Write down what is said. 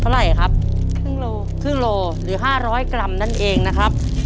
เท่าไรครับครับครึ่งโลครึ่งโลหรือ๕๐๐กรัมนั่นเองนะครับ